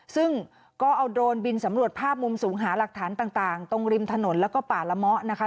ซึ่งก็เอาโดรนบินสำรวจภาพมุมสูงหาหลักฐานต่างตรงริมถนนแล้วก็ป่าละเมาะนะคะ